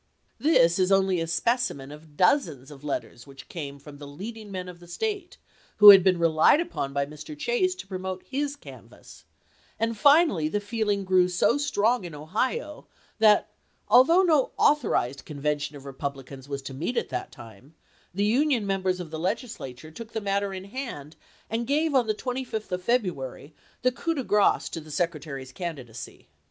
This is only a specimen of dozens of letters which came from the leading men of the State, who had been relied upon by Mr. Chase to promote his canvass ; and finally the feeling grew so strong in Ohio that, although no authorized convention of Republicans was to meet at that time, the Union members of the Legislature took the matter in hand and gave, on the 25th of February, the coup de grace to the Secretary's candidacy.